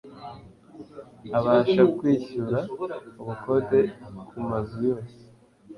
abasha kwishyura ubukode kumazu yose